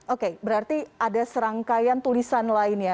oke berarti ada serangkaian tulisan lainnya